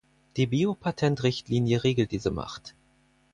Die Biopatent-Richtlinie regelt diese Macht.